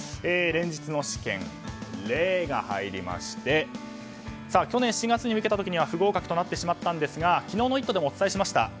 連日の試験「レ」が入りまして去年７月に受けた時には不合格となってしまいましたが昨日の「イット！」でもお伝えしました。